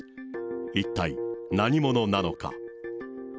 一体、何者なのか。